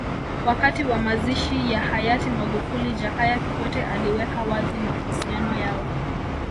Wakati wa mazishi ya hayati Magufuli Jakaya Kikwete aliweka wazi mahusiano yao